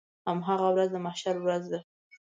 هماغه ورځ د محشر ورځ ده.